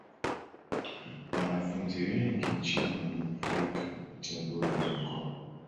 wanafunzi wengi nchini walinufaika kupitia bodi ya mikopo